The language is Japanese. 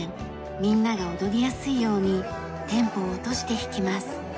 みんなが踊りやすいようにテンポを落として弾きます。